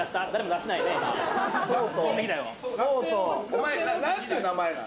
お前、何ていう名前なん？